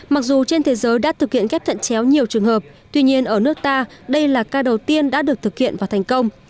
mặc dù trên thế giới đã thực hiện ghép thận chéo nhiều trường hợp tuy nhiên ở nước ta đây là ca đầu tiên đã được thực hiện và thành công